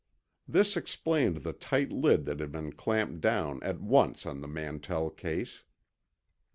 _ This explained the tight lid that had been clamped down at once on the Mantell case.